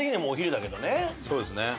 そうですね。